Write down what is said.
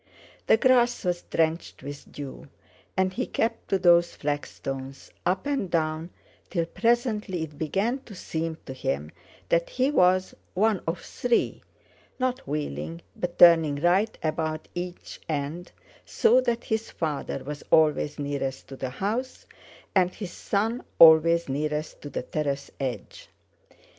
The grass was drenched with dew, and he kept to those flagstones, up and down, till presently it began to seem to him that he was one of three, not wheeling, but turning right about at each end, so that his father was always nearest to the house, and his son always nearest to the terrace edge.